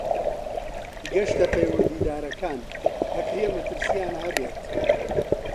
گەشتە پەیوەندیدارەکان ئەکرێ مەترسیان هەبێت.